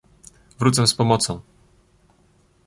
"Wrócę z pomocą."